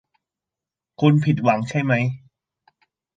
คุณคงผิดหวังใช่ไหม